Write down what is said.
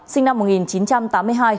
sinh năm một nghìn chín trăm tám mươi hai